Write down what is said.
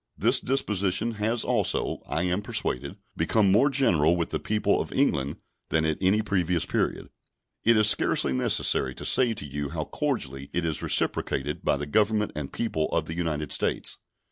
This disposition has also, I am persuaded, become more general with the people of England than at any previous period. It is scarcely necessary to say to you how cordially it is reciprocated by the Government and people of the United States.